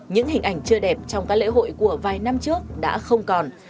những hình ảnh chưa đẹp trong các lễ hội của vài năm trước đã không còn